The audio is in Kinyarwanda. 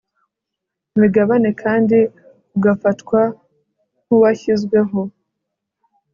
imigabane kandi agafatwa nk uwashyizweho